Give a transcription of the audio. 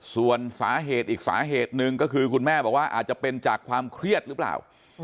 ส่วนสาเหตุอีกสาเหตุหนึ่งก็คือคุณแม่บอกว่าอาจจะเป็นจากความเครียดหรือเปล่า